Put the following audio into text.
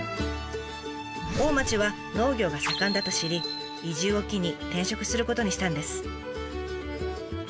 大町は農業が盛んだと知り移住を機に転職することにしたんです。